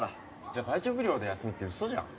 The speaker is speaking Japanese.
・じゃあ体調不良で休みって嘘じゃん